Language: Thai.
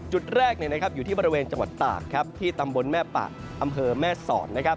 จุดแรกอยู่ที่บริเวณจังหวัดตากที่ตำบลแม่ปะอำเภอแม่สอดนะครับ